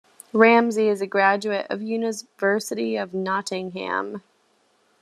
Ramsay is a graduate of the University of Nottingham.